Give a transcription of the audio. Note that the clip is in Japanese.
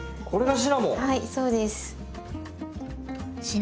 はいそうです。